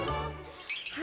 はい。